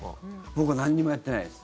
僕はなんにもやってないです。